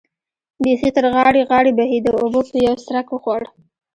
بېخي تر غاړې غاړې بهېده، اوبو به یو څرخک وخوړ.